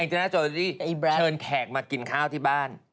อังเจริน่าโจริกเชิญแขกมากินข้าวที่บ้าน